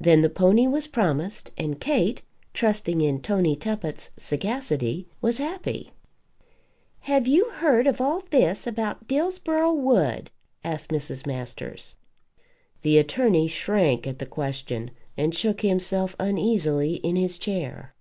Then the pony was promised; and Kate, trusting in Tony Tuppett's sagacity, was happy. "Have you heard of all this about Dillsborough Wood?" asked Mrs. Masters. The attorney shrank at the question, and shook himself uneasily in his chair.